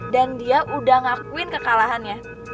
dan dia udah ngakuin kekalahannya